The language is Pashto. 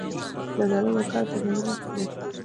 زردالو د کال په ځانګړي وخت کې پیدا کېږي.